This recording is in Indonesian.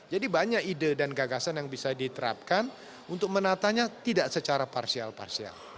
jadi banyak ide dan gagasan yang bisa diterapkan untuk menatanya tidak secara parsial